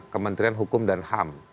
kementerian hukum dan ham